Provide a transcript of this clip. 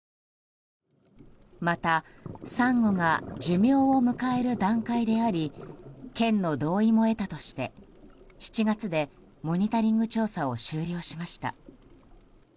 またサンゴが寿命を迎える段階であり県の同意も得たとして７月でモニタリング調査を終了しました。